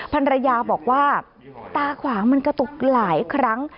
ภรรยาบอกว่าตาขวางมันกระตุกหลายครั้ง